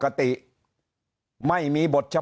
เพราะสุดท้ายก็นำไปสู่การยุบสภา